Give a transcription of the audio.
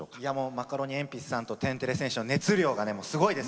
マカロニえんぴつさんと天てれ戦士は熱量がねもうすごいですからね。